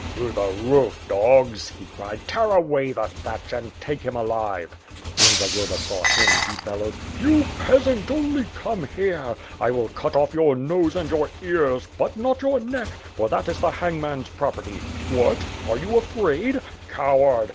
"Through the roof, dogs!" he cried. "Tear away the thatch and take him alive T When Zagloba saw him, he bellowed: "You peasant, only come here! I will cut off your nose and your ears, but not your neck, for that is the hangman's prop erty. What? Are you afraid? Coward!